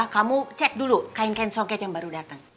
kamu cek dulu kain kain soket yang baru datang